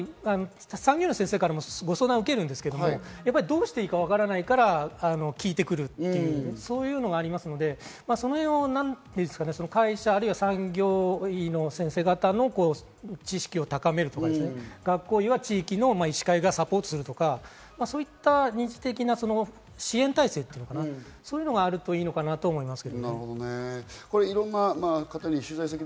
産業医の先生からもご相談を受けるんですけど、どうしたらいいかわからないから聞いてくるというそういうのがありますので、会社、あるいは産業医の先生方の知識を高めるとか、校医は地域の医師会がサポートするとか、そういう２次的な支援体制というのかな？それがあるといいかなと思います。